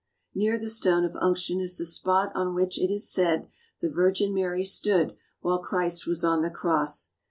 Near the Stone of Unction is the spot on which it is said the Virgin Mary stood while Christ was on the cross.